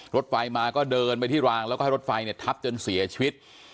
รถไฟมาก็เดินไปที่รางแล้วก็ให้รถไฟเนี่ยทับจนเสียชีวิต